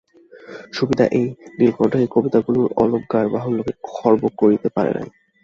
সুবিধা এই, নীলকণ্ঠ এই কবিতাগুলির অলংকারবাহুল্যকে খর্ব করিতে পারে না।